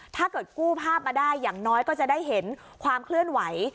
ถ้าเกิดกู้ภาพมาได้อย่างน้อยก็จะได้เห็นความเคลื่อนไหว